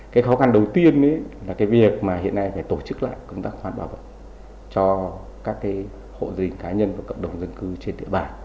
cái khó khăn đầu tiên là cái việc mà hiện nay phải tổ chức lại công tác khoán bảo vệ cho các cái hộ gia đình cá nhân và cộng đồng dân cư trên địa bàn